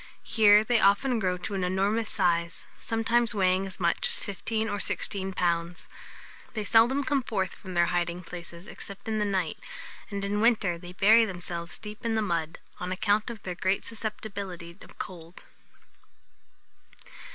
Here they often grow to an enormous size, sometimes weighing as much as fifteen or sixteen pounds. They seldom come forth from their hiding places except in the night; and, in winter, bury themselves deep in the mud, on account of their great susceptibility of cold.